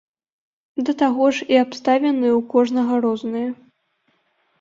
Да таго ж і абставіны ў кожнага розныя.